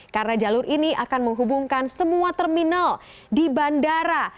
karena jalur ini akan menghubungkan semua terminal di bandara